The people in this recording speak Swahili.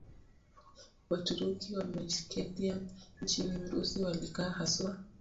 Waturuki wa Meskhetian nchini Urusi walikaa haswa